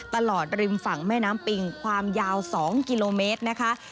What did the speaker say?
ตลอดริมฝั่งแม่น้ำปิงความยาว๒กิโลเมตรนะคะ